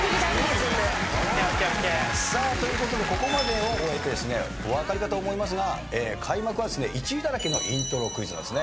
さあということでここまでを終えてですねお分かりかと思いますが開幕は１位だらけのイントロクイズなんですね。